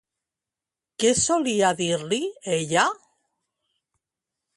Què solia dir-li ella?